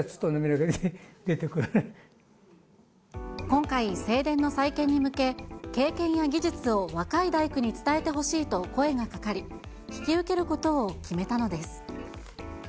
今回、正殿の再建に向け、経験や技術を若い大工に伝えてほしいと声がかかり、引き受けることを決めたのです。